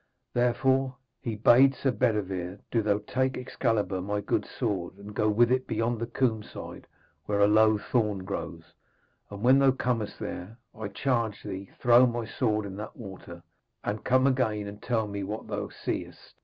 Therefore,' he bade Sir Bedevere, 'do thou take Excalibur, my good sword, and go with it beyond the combe side there where a low thorn grows, and when thou comest there, I charge thee, throw my sword in that water, and come again and tell me what thou seest.'